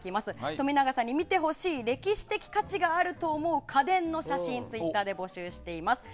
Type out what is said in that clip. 冨永さんに見てほしい歴史的価値があると思う家電の写真ツイッターで募集しております。